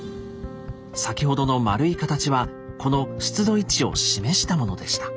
先ほどの円い形はこの出土位置を示したものでした。